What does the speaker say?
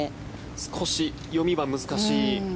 少し読みは難しい。